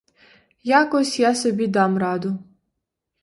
Якось я собі дам раду.